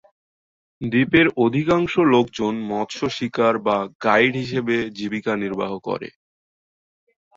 দ্বীপের অধিকাংশ লোকজন মৎস শিকার বা গাইড হিসেবে জীবিকা নির্বাহ করে।